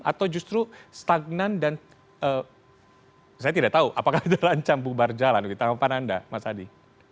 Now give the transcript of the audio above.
atau justru stagnan dan saya tidak tahu apakah itu lancam bubar jalan di tanggapan anda mas adi